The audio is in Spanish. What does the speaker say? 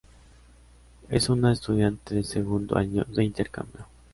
Es una estudiante de segundo año de intercambio.